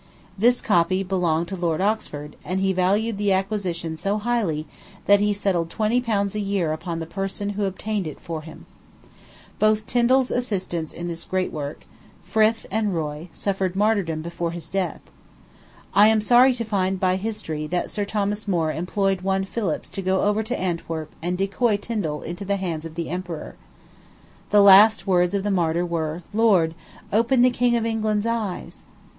This copy belonged to Lord Oxford, and he valued the acquisition so highly that he settled twenty pounds a year upon the person who obtained it for him. Both Tindal's assistants in this great work Fryth and Roye suffered martyrdom before his death. I am sorry to find, by history, that Sir Thomas More employed one Phillips to go over to Antwerp and decoy Tindal into the hands of the emperor. The last words of the martyr were, "Lord! open the King of England's eyes."